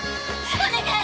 お願い！